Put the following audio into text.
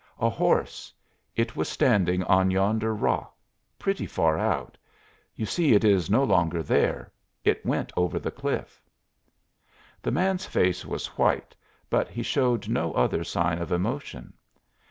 "A horse. It was standing on yonder rock pretty far out. You see it is no longer there. It went over the cliff." The man's face was white, but he showed no other sign of emotion.